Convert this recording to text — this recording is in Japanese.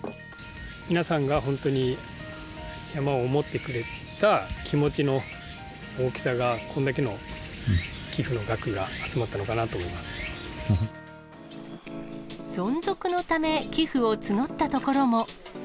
皆さんが本当に山を思ってくれた気持ちの大きさが、こんだけの寄付の額が集まったのかなと思存続のため、寄付を募った所も。